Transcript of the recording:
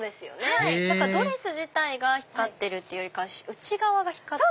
へぇドレス自体が光ってるってよりか内側が光ってる？